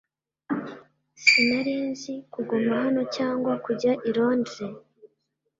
Sinari nzi kuguma hano cyangwa kujya i Londres